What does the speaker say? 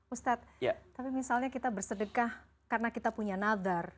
ustaz tapi misalnya kita bersedekah karena kita punya nadhar